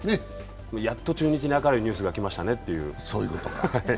中日にやっと明るいニュースが来ましたねという。